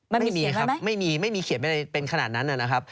ไม่มีครับไม่มีไม่มีเขียนอะไรเป็นขนาดนั้นนะครับ